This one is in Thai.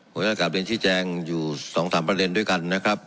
ผมก็กราบเรียนชี้แจงอยู่สองสามประเด็นด้วยกันนะครับ